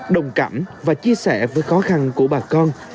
đồng cảm và chia sẻ với khó khăn của bà con